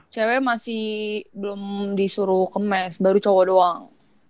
cewek masih belum disuruh kemes baru cowok doang